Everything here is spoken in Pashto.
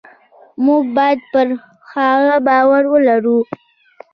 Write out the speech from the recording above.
موږ باید پر هغه باور ولرو.